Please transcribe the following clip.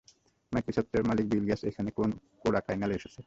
মাইক্রোসফটের মালিক Bill Gates, এখানে কোডাইকানালে এসেছেন।